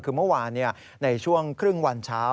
คือเมื่อวานในช่วงครึ่งวันเช้า